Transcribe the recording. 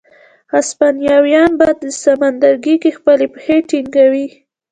هسپانویان به په سمندرګي کې خپلې پښې ټینګوي.